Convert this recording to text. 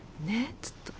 ねっ！